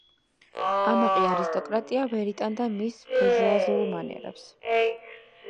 ამაყი არისტოკრატია ვერ იტანდა მის ბურჟუაზიულ მანერებს.